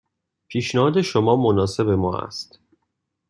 پیشنهاد شما مناسب ما است.